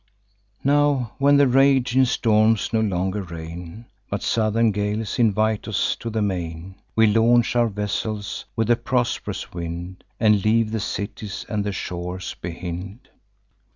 "Now, when the raging storms no longer reign, But southern gales invite us to the main, We launch our vessels, with a prosp'rous wind, And leave the cities and the shores behind.